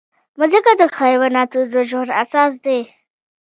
مځکه د حیواناتو د ژوند اساس ده.